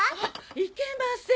いけません。